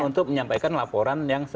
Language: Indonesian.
untuk menyampaikan laporan yang